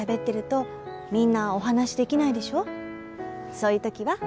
そういう時は？